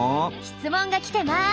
質問が来てます。